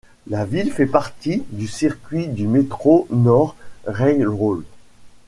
La ville fait partie du circuit du Metro-North Railroad.